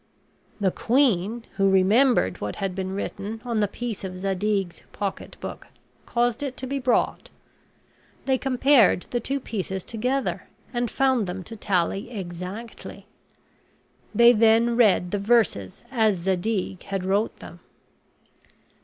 The queen, who remembered what had been written on the piece of Zadig's pocketbook, caused it to be brought. They compared the two pieces together and found them to tally exactly; they then read the verses as Zadig had wrote them.